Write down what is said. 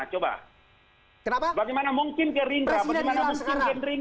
presiden hilang sekarang